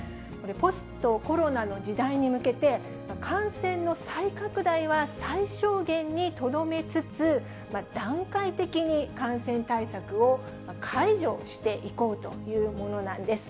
ポストコロナの時代に向けて、感染の再拡大は最小限にとどめつつ、段階的に感染対策を解除していこうというものなんです。